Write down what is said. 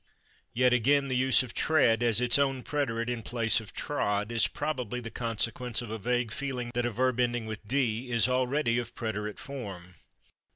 Yet again, the use of /tread/ as its own preterite in place of /trod/ is probably the consequence of a vague feeling that a verb ending with /d/ is already of preterite form.